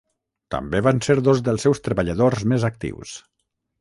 També van ser dos dels seus treballadors més actius.